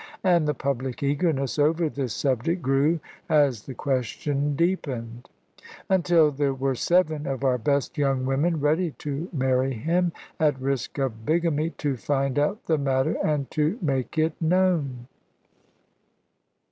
And the public eagerness over this subject grew as the question deepened; until there were seven of our best young women ready to marry him, at risk of bigamy, to find out the matter and to make it known.